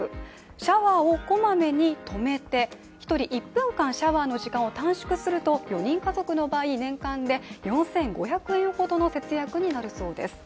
シャワーをこまめに止めて１人１分間シャワーの時間を短縮すると４人家族の場合、年間で４５００円ほどの節約になるそうです。